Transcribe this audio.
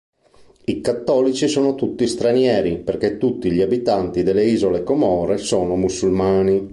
I cattolici sono tutti stranieri, perché tutti gli abitanti delle Isole Comore sono musulmani.